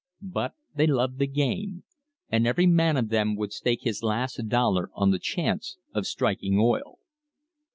But they loved the game, and every man of them would; stake his last dollar on the chance of striking oil.